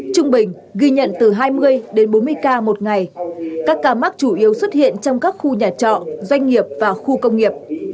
trung bình ghi nhận từ hai mươi đến bốn mươi ca một ngày các ca mắc chủ yếu xuất hiện trong các khu nhà trọ doanh nghiệp và khu công nghiệp